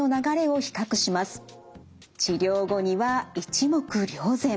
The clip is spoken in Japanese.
治療後には一目瞭然。